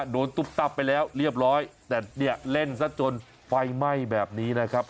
ตุ๊บตับไปแล้วเรียบร้อยแต่เนี่ยเล่นซะจนไฟไหม้แบบนี้นะครับ